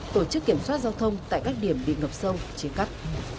tổ chức kiểm soát giao thông tại các điểm bị ngập sâu chia cắt